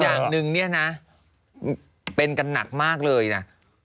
อย่างหนึ่งเนี่ยนะเป็นกันหนักมากเลยนะ